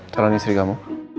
soalnya istri kamu